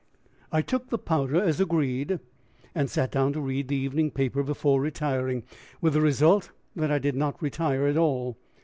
] I took the powder as agreed, and sat down to read the evening paper before retiring, with the result that I did not retire at all.